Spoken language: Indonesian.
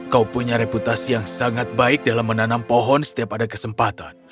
kau punya reputasi yang sangat baik dalam menanam pohon setiap ada kesempatan